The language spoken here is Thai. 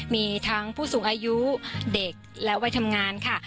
มีทั้งผู้สูงอายุเด็กและวัยทำงานค่ะ